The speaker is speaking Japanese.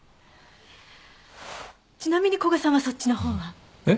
ちなみに古賀さんはそっちの方は？えっ？